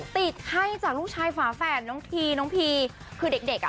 ติดไข้จากลูกชายฝาแฝดน้องทีน้องพีคือเด็กเด็กอ่ะ